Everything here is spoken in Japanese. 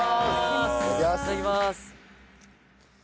いただきます！